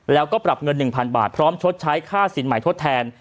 แล้วก็ปรับเงิน๑๐๐๐บาทพร้อมชดใช้ค่าสินใหม่ทดแทน